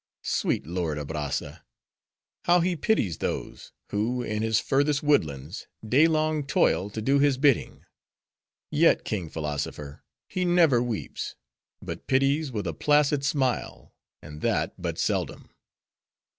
Sweet lord Abrazza! how he pities those, who in his furthest woodlands day long toil to do his bidding. Yet king philosopher, he never weeps; but pities with a placid smile; and that but seldom."